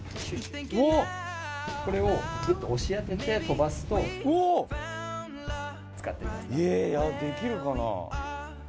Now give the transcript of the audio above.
これをぐっと押し当てて飛ばすとできるかな。